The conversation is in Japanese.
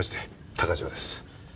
鷹城です。